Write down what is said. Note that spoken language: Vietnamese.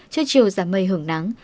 trước chiều giảm mây hưởng nắng